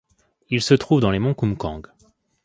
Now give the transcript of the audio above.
Il se trouve dans les monts Kumgang.